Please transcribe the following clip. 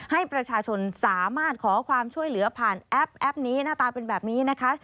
ให้ประชาชนสามารถขอความช่วยเหลือผ่านแอปแอปนี้หน้าตาเป็นแบบนี้นะคะ